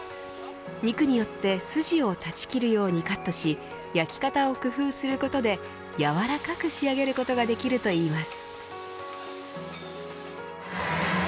肉によって筋を断ち切るようにカットし焼き方を工夫することで柔らかく仕上げることができるといいます。